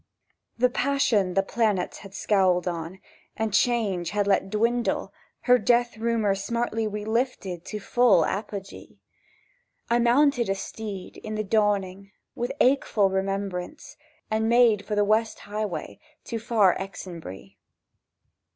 The passion the planets had scowled on, And change had let dwindle, Her death rumour smartly relifted To full apogee. I mounted a steed in the dawning With acheful remembrance, And made for the ancient West Highway To far Exonb'ry.